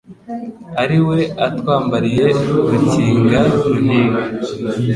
Ari we atwambariye Rukinga Ruhiga.